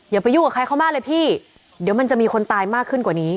อย่าไปยุ่งกับใครเขามากเลยพี่เดี๋ยวมันจะมีคนตายมากขึ้นกว่านี้